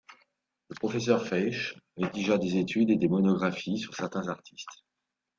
Le professeur Faesch rédigea des études et des monographies sur certains artistes.